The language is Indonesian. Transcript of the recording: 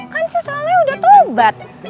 kan si soleh udah tobat